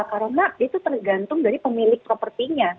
karena itu tergantung dari pemilik propertinya